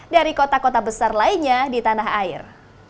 dari kota kota besar lainnya di tanah air